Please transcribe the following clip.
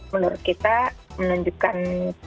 menurut kita menunjukkan